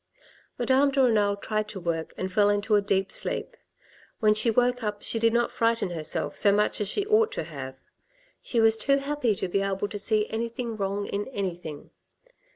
Madame de Renal tried to work, and fell into a deep sleep ; when she woke up she did not frighten herself so much as she ought to have. She was too happy to be able to see anything wrong in anything.